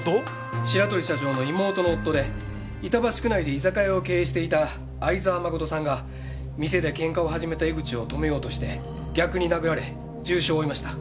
白鳥社長の妹の夫で板橋区内で居酒屋を経営していた相沢誠さんが店でケンカを始めた江口を止めようとして逆に殴られ重傷を負いました。